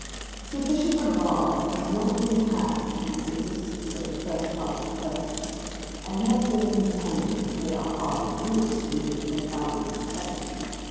sufficient regard has not been had to the existence of the first class of persons; and it has been contended that they are hardly used, in being confounded with the second.